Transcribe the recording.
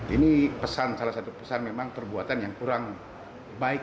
ini pesan salah satu pesan memang perbuatan yang kurang baik